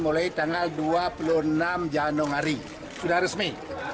mulai tanggal dua puluh enam januari sudah resmi